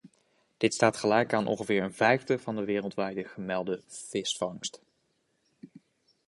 Dit staat gelijk aan ongeveer een vijfde van de wereldwijd gemelde visvangst.